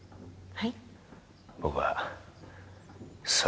はい？